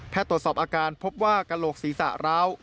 ตรวจสอบอาการพบว่ากระโหลกศีรษะร้าว